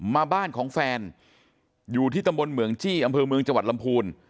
มาบ้านของแฟนอยู่ที่ตำบลเหมืองจี้อำเภอเมืองจังหวัดลำพูน